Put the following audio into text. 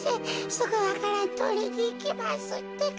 すぐわからんとりにいきますってか。